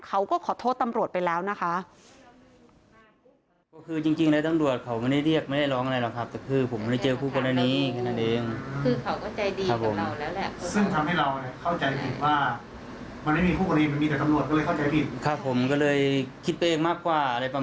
เขาก็ขอโทษตำรวจไปแล้วนะคะ